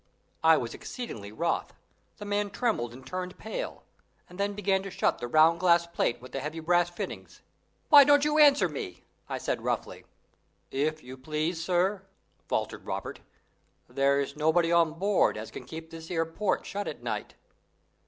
I was exceedingly wroth. The man trembled and turned pale, and then began to shut the round glass plate with the heavy brass fittings. "Why don't you answer me?" I said roughly. "If you please, sir," faltered Robert, "there's nobody on board as can keep this 'ere port shut at night.